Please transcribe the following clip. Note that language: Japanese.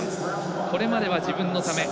これまでは自分のため。